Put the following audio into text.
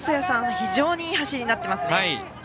非常にいい走りになっていますね。